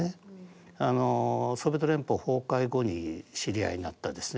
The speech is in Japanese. ソビエト連邦崩壊後に知り合いになったですね